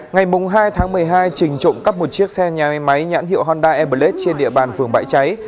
ngày hai tháng một mươi hai trình trộm cắp một chiếc xe nhà máy nhãn hiệu honda wales trên địa bàn phường bãi cháy